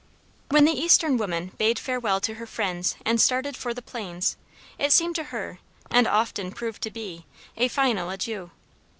When the eastern woman bade farewell to her friends and started for the plains it seemed to her, and often proved to be, a final adieu.